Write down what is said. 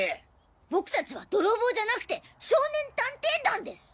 僕達はドロボーじゃなくて少年探偵団です。